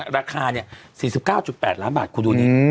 ราคา๔๙๘ล้านบาทคุณดูนี่